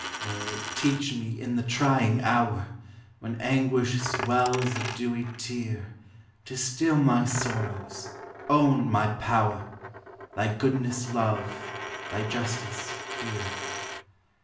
Oh, teach me in the trying hour, When anguish swells the dewy tear, To still my sorrows, own my power, Thy goodness love, thy justice fear.